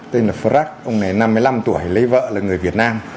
tên là frac ông này năm mươi năm tuổi lấy vợ là người việt nam